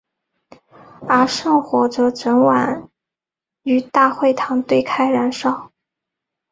而圣火则整晚于大会堂对开燃烧。